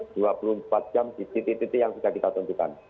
dua puluh empat jam di titik titik yang sudah kita tentukan